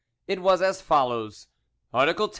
It was as follows:— "Article 10.